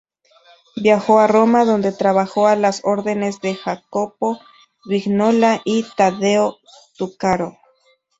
Viajó a Roma, donde trabajó a las órdenes de Jacopo Vignola y Taddeo Zuccaro.